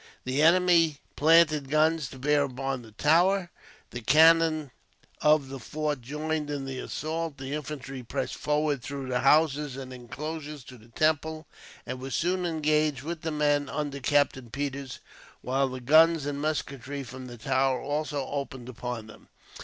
The enemy planted guns to bear upon the tower. The cannon of the fort joined in the assault, the infantry pressed forward through the houses and inclosures to the temple, and were soon engaged with the men under Captain Peters, while the guns and musketry from the tower also opened upon them.